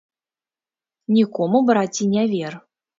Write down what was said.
Нікому, браце, не вер.